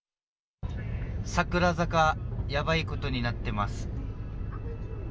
桜坂、やばいことになってます。